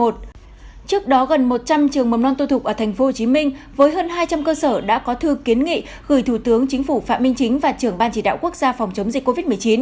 trước đó gần một trăm linh trường mầm non tư thục ở tp hcm với hơn hai trăm linh cơ sở đã có thư kiến nghị gửi thủ tướng chính phủ phạm minh chính và trưởng ban chỉ đạo quốc gia phòng chống dịch covid một mươi chín